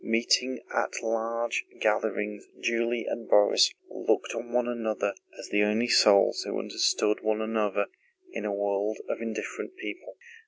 Meeting at large gatherings Julie and Borís looked on one another as the only souls who understood one another in a world of indifferent people.